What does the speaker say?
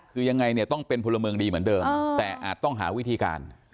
คือยังไงเนี่ยต้องเป็นพลเมืองดีเหมือนเดิมแต่อาจต้องหาวิธีการ